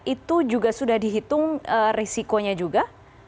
itu juga sudah dihitung risikonya juga